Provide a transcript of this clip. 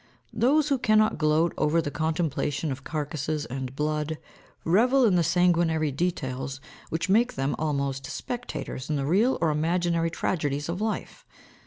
Those who cannot gloat over the contemplation of carcasses and blood, revel in the sanguinary details which make them almost spectators in the real or imaginary tragedies of life.